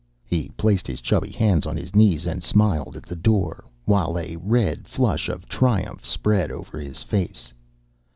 He placed his chubby hands on his knees and smiled at the door, while a red flush of triumph spread over his face.